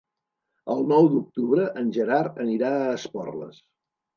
El nou d'octubre en Gerard anirà a Esporles.